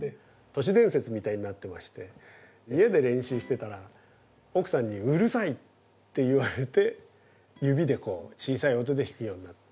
都市伝説みたいになってまして家で練習してたら奥さんにうるさいって言われて指でこう小さい音で弾くようになった。